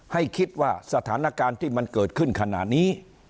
ให้คิดว่าสถานการณ์ที่มันเกิดขึ้นขณะนี้